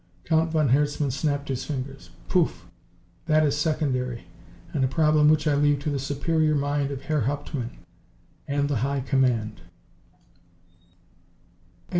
Count von Herzmann snapped his fingers. "Poof! That is secondary, and a problem which I leave to the superior mind of Herr Hauptmann and the High Command."